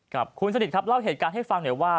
ครับคุณสนิทครับเล่าเหตุการณ์ให้ฟังหน่อยว่า